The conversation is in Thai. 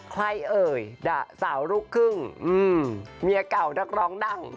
เอ่ยด่าสาวลูกครึ่งเมียเก่านักร้องดัง